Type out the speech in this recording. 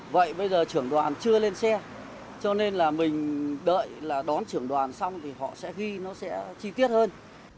vậy bây giờ trưởng đoàn chưa lên xe cho nên là mình đợi là đón trưởng đoàn xong thì họ sẽ ghi nó sẽ chi tiết hơn